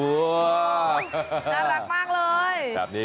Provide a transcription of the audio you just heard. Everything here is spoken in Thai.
น่ารักมากเลย